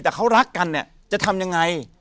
แต่เขารักกันเนี่ยจะทำยังไง